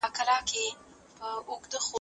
که میندې مومنې وي نو ایمان به نه ځي.